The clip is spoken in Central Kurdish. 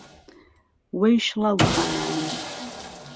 وهی شڵهو خانانم